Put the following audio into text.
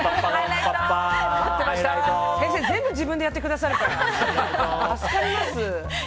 先生、全部自分でやってくださるから助かります。